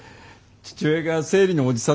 父親が生理のおじさんとか。